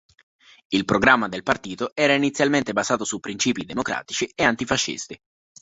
Il programma del partito era inizialmente basato su principi democratici e antifascisti.